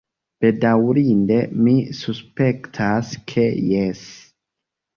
Bedaŭrinde, mi suspektas ke jes.